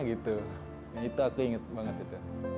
itu aku inget banget